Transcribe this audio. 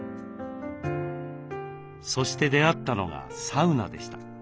そして出会ったのがサウナでした。